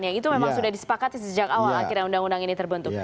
yang itu memang sudah disepakati sejak awal akhirnya undang undang ini terbentuk